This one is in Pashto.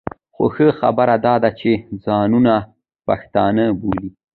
خو ښه خبره دا ده چې ځانونه پښتانه بولي.